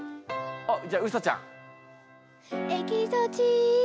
あっじゃあうさちゃん。